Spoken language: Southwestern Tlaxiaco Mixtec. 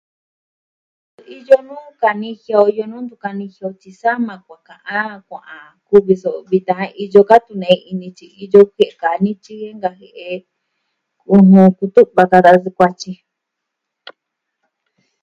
Iyo nuu kanijia, iyo nuu ntu kanijia tyi sama kuaa ka'an kua'an kuvi so'o vitan iyo ka tu'un nee ini tyi, iyo kue'e ka nityi inka jie'e unu kutu'va ka va da sukuatyi.